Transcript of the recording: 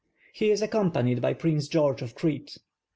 He is accompanied by Prince George of Crete.